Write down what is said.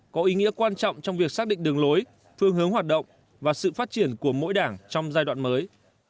có ý nghĩa quan trọng trong việc xác định đường lối phương hướng hoạt động và sự phát triển của mỗi đảng trong giai đoạn mới